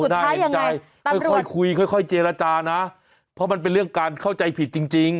โอ้สุดท้ายยังไงตำรวจโอ้ได้อ่านใจค่อยคุยค่อยเจรจานะเพราะมันเป็นเรื่องการเข้าใจผิดจริง